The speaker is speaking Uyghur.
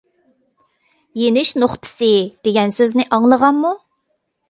"يېنىش نۇقتىسى" دېگەن سۆزنى ئاڭلىغانمۇ؟